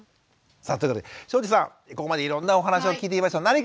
さあというわけで小路さんここまでいろんなお話を聞いてきました。